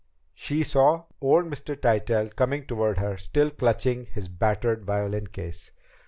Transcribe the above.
She saw old Mr. Tytell coming toward her, still clutching his battered violin case.